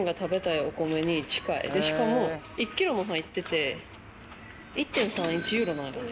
しかも１ｋｇも入ってて１．３１ユーロなんよね。